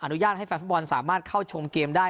อุญาตให้แฟนฟุตบอลสามารถเข้าชมเกมได้